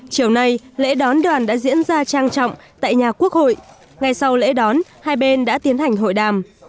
chiều nay lễ đón đoàn đã diễn ra trang trọng tại nhà quốc hội ngay sau lễ đón hai bên đã tiến hành hội đàm